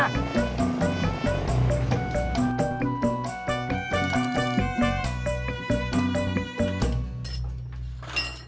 tahan tunggu dah